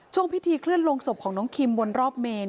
ช่วงพิธีเคลื่อนลงศพของน้องคิมบนรอบเมน